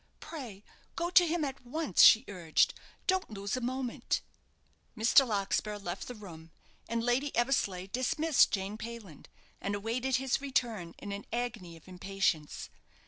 "Pray go to him at once," she urged; "don't lose a moment." Mr. Larkspur left the room, and Lady Eversleigh dismissed Jane Payland, and awaited his return in an agony of impatience.